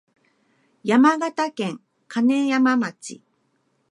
山形県金山町